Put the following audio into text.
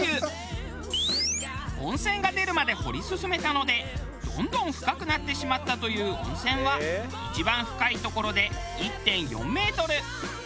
温泉が出るまで掘り進めたのでどんどん深くなってしまったという温泉は一番深い所で１．４メートル。